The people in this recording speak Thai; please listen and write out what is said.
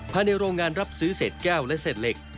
ภายในโรงงานรับซื้อเศษแก้วและเศษเหล็ก